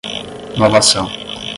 novação